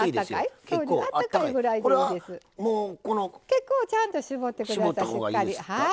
結構ちゃんと絞ってください。